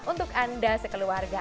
untuk anda sekeluarga